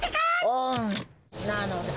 オン！なのだ。